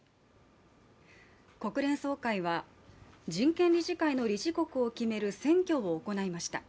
国連総会は人権理事会の理事国を決める選挙を行いました。